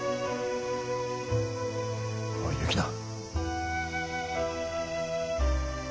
おい雪菜。